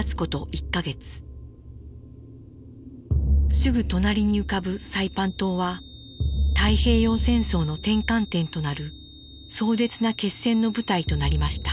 すぐ隣に浮かぶサイパン島は太平洋戦争の転換点となる壮絶な決戦の舞台となりました。